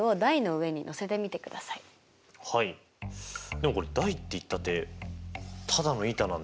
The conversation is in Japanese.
でもこれ台っていったってただの板なんで。